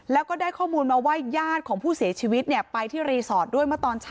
แล้วก็ได้ข้อมูลมาว่าญาติของผู้เสียชีวิตไปที่รีสอร์ทด้วยเมื่อตอนเช้า